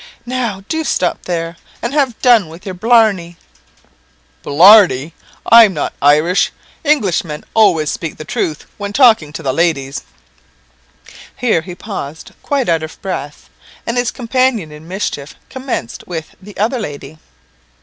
"Now, do stop there, and have done with your blarney." "Blarney! I'm not Irish. Englishmen always speak the truth when talking to the ladies." Here he paused, quite out of breath, and his companion in mischief commenced with the other lady.